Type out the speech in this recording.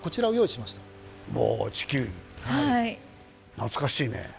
懐かしいね。